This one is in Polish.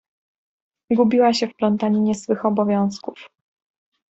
Gubiła się w plątaninie swych obowiązków.